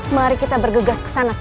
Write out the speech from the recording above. mari kita bergegas ke sana